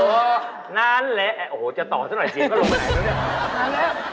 โอ้โฮนานแล้วโอ้โฮจะต่อซะหน่อยเสียงก็ลงไปไหนแล้วเนี่ยค่ะ